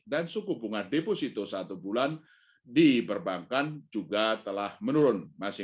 suku bunga deposito satu bulan di perbankan juga telah menurun